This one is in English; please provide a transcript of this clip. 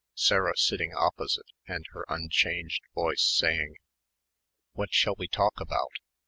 Sarah sitting opposite and her unchanged voice saying "What shall we talk about?"